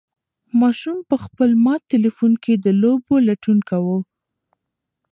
ماشوم په خپل مات تلیفون کې د لوبو لټون کاوه.